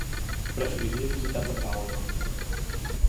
Preferiria visitar Pedralba.